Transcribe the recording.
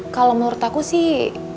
kalo menurut aku sih